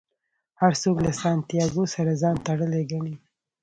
هر څوک له سانتیاګو سره ځان تړلی ګڼي.